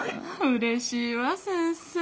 うれしいわ先生。